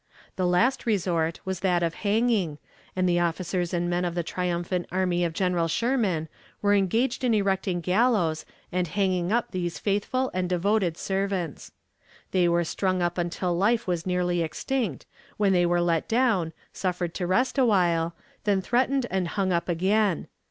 The last resort was that of hanging, and the officers and men of the triumphant army of General Sherman were engaged in erecting gallows and hanging up these faithful and devoted servants. They were strung up until life was nearly extinct, when they were let down, suffered to rest awhile, then threatened and hung up again.